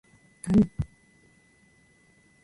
だるい